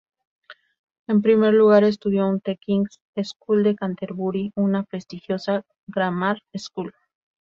En primer lugar estudió en The King's School de Canterbury, una prestigiosa grammar school.